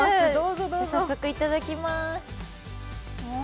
早速、いただきまーす。